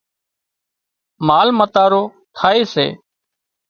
مال متارو ٿائي سي